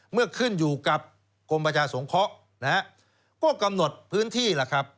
เมื่อขึ้นอยู่กับกรมประชาสงเคราะห์ก็กำหนดพื้นที่